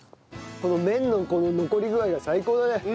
この麺の残り具合が最高だね。